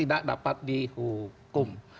tidak dapat dihukum